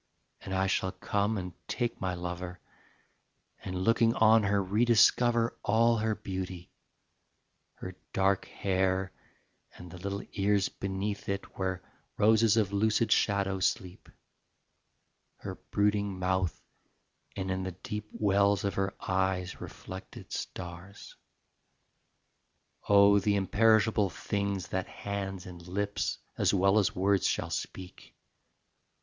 And I shall come and take my lover And looking on her re discover All her beauty: her dark hair And the little ears beneath it, where Roses of lucid shadow sleep; Her brooding mouth, and in the deep Wells of her eyes reflected stars ... Oh, the imperishable things That hands and lips as well as words Shall speak!